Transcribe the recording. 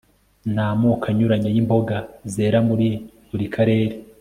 namoko anyuranye yimboga zera muri buri karere